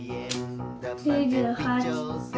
９８。